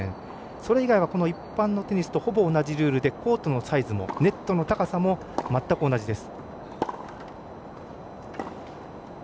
それ以外は、一般のテニスとほぼ同じルールでコートのサイズもネットの高さも全く同じです。